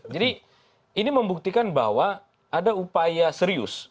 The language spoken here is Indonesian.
ini membuktikan bahwa ada upaya serius